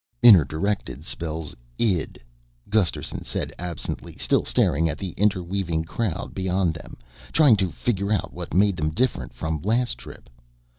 "Inner directed spells id," Gusterson said absently, still staring at the interweaving crowd beyond them, trying to figure out what made them different from last trip.